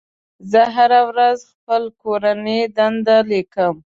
زه هم هره ورځ خپله کورنۍ دنده لیکم.